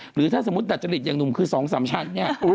หรือถ้าสมมุติดัจจริตอย่างหนุ่มคือ๒๓ชั้นเนี่ย